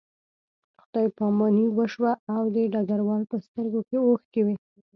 خدای پاماني وشوه او د ډګروال په سترګو کې اوښکې وې